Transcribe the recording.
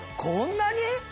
こんなに！？